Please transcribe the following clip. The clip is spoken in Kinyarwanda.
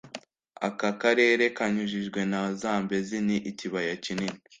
aka karere kanyujijwe na zambezi ni ikibaya kinini